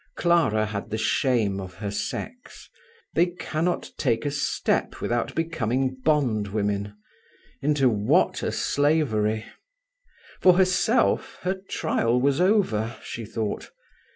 Clara had shame of her sex. They cannot take a step without becoming bondwomen: into what a slavery! For herself, her trial was over, she thought.